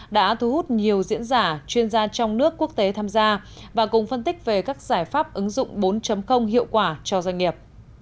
đã thu hút nhiều diễn giả chuyên gia trong nước quốc tế tham gia và cùng phân tích về các giải pháp ứng dụng bốn hiệu quả cho doanh nghiệp